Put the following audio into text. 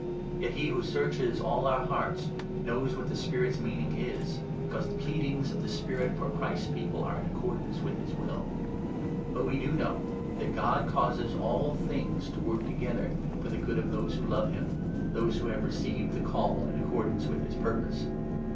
Yet he who searches all our hearts knows what the Spirit's 27 meaning is, because the pleadings of the Spirit for Christ's People are in accordance with his will. But we do know 28 that God causes all things to work together for the good of those who love him — those who have received the Call in accordance with his purpose.